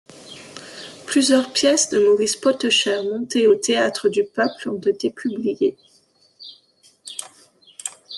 Plusieurs pièces de Maurice Pottecher, montées au théâtre du Peuple, ont été publiées.